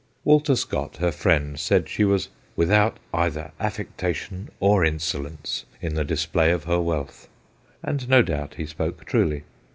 Walter Scott, her friend, said she was 'without either affectation or insolence in the display of her wealth/ and no doubt he spoke truly.